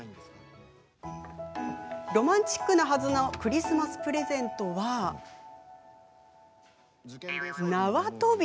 ロマンチックなはずのクリスマスプレゼントは縄跳び？